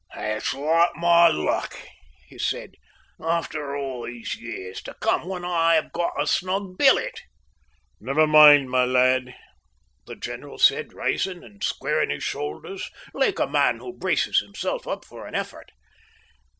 "It's like my luck!" he said. "After all these years, to come when I have got a snug billet." "Never mind, my lad," the general said, rising, and squaring his shoulders like a man who braces himself up for an effort.